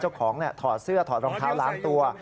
เจ้าของถอดเสื้อถอดรองเท้าล้างตัว